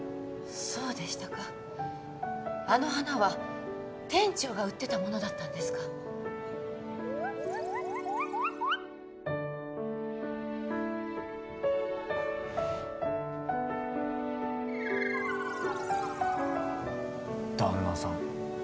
そうでしたかあの花は店長が売ってたものだったんですか旦那さん